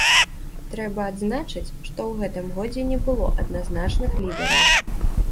Трэба адзначыць, што ў гэтым годзе не было адназначных лідараў.